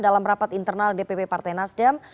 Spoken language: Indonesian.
dalam rapat internal dpp partai nasdem